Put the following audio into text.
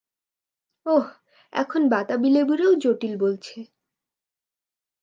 ওহ, এখন বাতাবী-লেবুরেও জটিল বলছে।